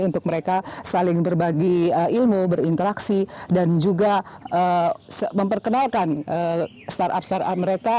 untuk mereka saling berbagi ilmu berinteraksi dan juga memperkenalkan startup startup mereka